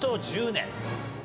１０年。